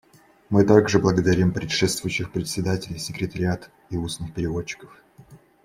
Мы также благодарим предшествующих председателей, секретариат и устных переводчиков.